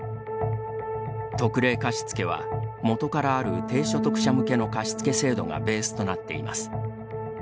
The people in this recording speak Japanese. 特例貸付は、元からある低所得者向けの貸付制度がベースとなっています。